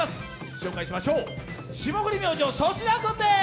紹介しましょう、霜降り明星・粗品君です。